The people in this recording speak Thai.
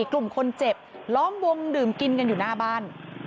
กลุ่มคนเจ็บล้อมวงดื่มกินกันอยู่หน้าบ้าน